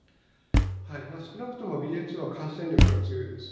少なくともＢＡ．２は感染力が強いです。